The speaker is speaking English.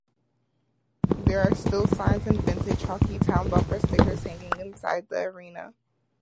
There are still signs and vintage Hockeytown bumper stickers hanging inside the arena.